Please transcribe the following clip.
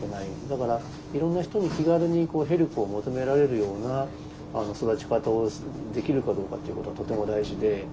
だからいろんな人に気軽にヘルプを求められるような育ち方をできるかどうかっていうことはとても大事で。